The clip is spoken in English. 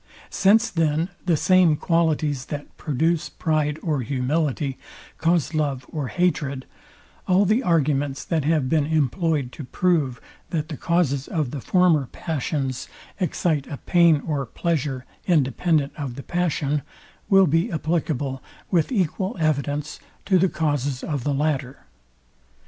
Since then the same qualities that produce pride or humility, cause love or hatred; all the arguments that have been employed to prove, that the causes of the former passions excite a pain or pleasure independent of the passion, will be applicable with equal evidence to the causes of the latter.